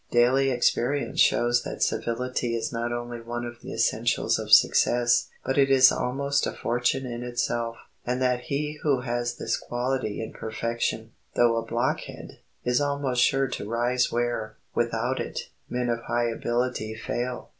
Daily experience shows that civility is not only one of the essentials of success, but it is almost a fortune in itself, and that he who has this quality in perfection, though a blockhead, is almost sure to rise where, without it, men of high ability fail.